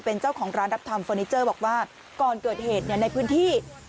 เป็นเจ้าของร้านรับทำเฟอร์นิเจอร์บอกว่าก่อนเกิดเหตุในพื้นที่